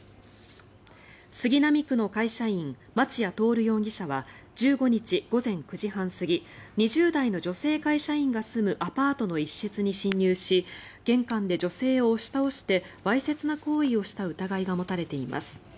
杉並区の会社員、町屋亨容疑者は１５日午前９時半過ぎ２０代の女性会社員が住むアパートの一室に侵入し玄関で女性を押し倒してわいせつな行為をした疑いが持たれています。